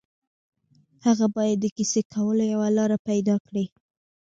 هغه باید د کیسې کولو یوه لاره پيدا کړي